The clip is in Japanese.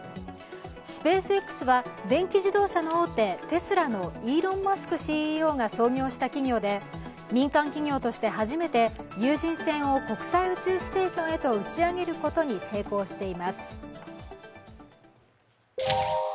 スペースＸは電気自動車の大手、テスラのイーロン・マスクＣＥＯが創業した企業で、民間企業として初めて有人船を国際宇宙ステーションへと打ち上げることに成功しています。